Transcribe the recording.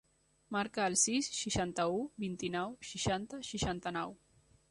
Marca el sis, seixanta-u, vint-i-nou, seixanta, seixanta-nou.